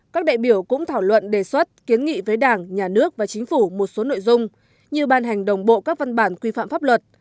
các đại biểu cũng thảo luận đề xuất kiến nghị với đảng nhà nước và chính phủ một số nội dung như ban hành đồng bộ các văn bản quy phạm pháp luật